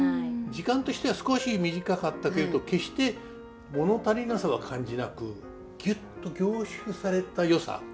時間としては少し短かったけれど決して物足りなさは感じなくギュッと凝縮されたよさ。